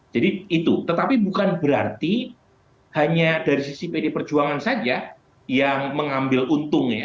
jadi itu tetapi bukan berarti hanya dari sisi pdi perjuangan saja yang mengambil untung ya